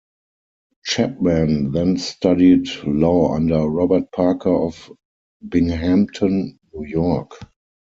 Chapman then studied law under Robert Parker of Binghamton, New York.